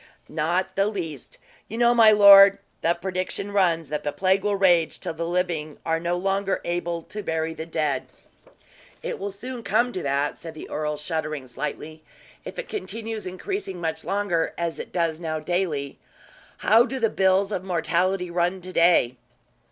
"Not the least. You know, my lord, the prediction runs, that the plague will rage till the living are no longer able to bury the dead." "It will soon come to that," said the earl shuddering slightly, "if it continues increasing much longer as it does now daily. How do the bills of mortality run to day?"